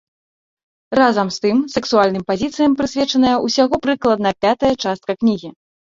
Разам з тым, сексуальным пазіцыям прысвечаная ўсяго прыкладна пятая частка кнігі.